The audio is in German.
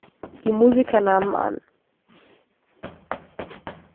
Die Musiker nahmen an.